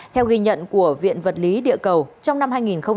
theo ghi nhận của viện vật lý địa cầu trong năm hai nghìn hai mươi một